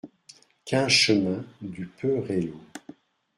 quinze chemin du Perello